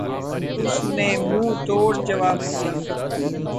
اس نے منہ توڑ جواب دیا۔